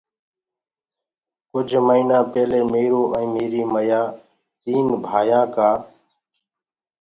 ڪجھ مهيٚنا پيلي ميرو ائيٚنٚ ميريٚ مَيآ تينٚ ڀآيآنٚ ڪآ